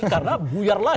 karena buyar lagi